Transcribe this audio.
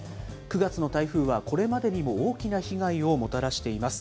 ９月の台風はこれまでにも大きな被害をもたらしています。